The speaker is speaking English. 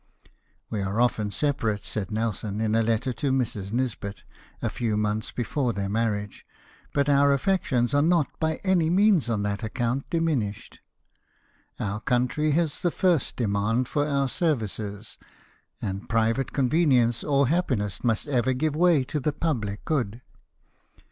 "We are often separate," said Nelson, in a letter to Mrs. Nisbet, a few months before their marriage ;" but our affections are not by any MARRIAGE. 43 means on that account diminished. Our country has the first demand for our services ; and private con venience or happiness must ever give way to the pubUc good.